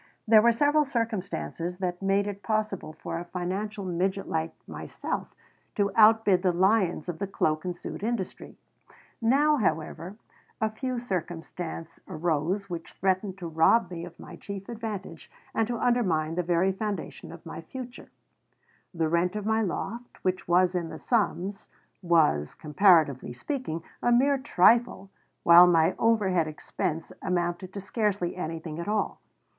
There were several circumstances that made it possible for a financial midget like myself to outbid the lions of the cloak and suit industry. Now, however, a new circumstance arose which threatened to rob me of my chief advantage and to undermine the very foundation of my future The rent of my loft, which was in the slums, was, comparatively speaking, a mere trifle, while my overhead expense amounted to scarcely anything at all.